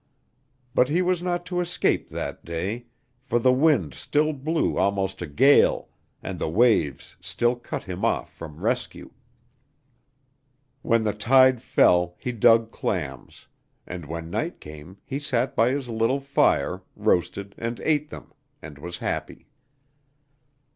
But he was not to escape that day, for the wind still blew almost a gale, and the waves still cut him off from rescue. When the tide fell he dug clams, and when night came he sat by his little fire, roasted and ate them, and was happy.